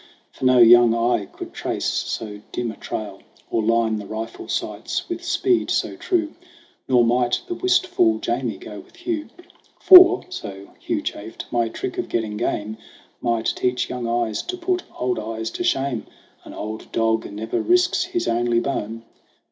For no young eye could trace so dim a trail, Or line the rifle sights with speed so true. Nor might the wistful Jamie go with Hugh ; "For," so Hugh chaffed, "my trick of getting game Might teach young eyes to put old eyes to shame. An old dog never risks his only bone."